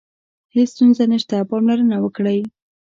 هیڅ ستونزه نشته، پاملرنه وکړئ.